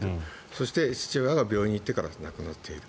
そして、父親が病院に行ってから亡くなっている。